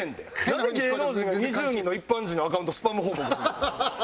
なんで芸能人が２０人の一般人のアカウントをスパム報告すんの？